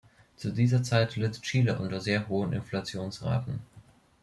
Zu dieser Zeit litt Chile unter sehr hohen Inflationsraten.